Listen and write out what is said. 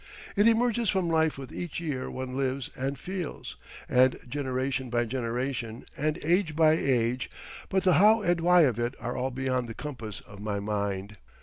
It emerges from life with each year one lives and feels, and generation by generation and age by age, but the how and why of it are all beyond the compass of my mind....